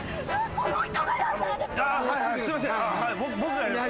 すいません。